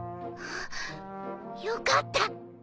あっよかった。